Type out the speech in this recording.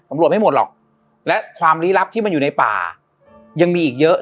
ตำรวจไม่หมดหรอกและความลี้ลับที่มันอยู่ในป่ายังมีอีกเยอะ